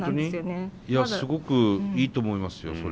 すごくいいと思いますよ